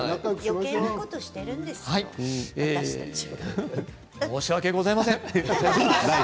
よけいなことしてるんですよ申し訳ございません。